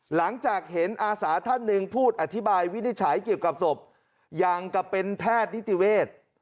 หลังจากเห็นอาสาท่านหนึ่งพูดอธิบายวินิจฉัยเกี่ยวกับศพอย่างกับเป็นแพทย์นิติเวทย์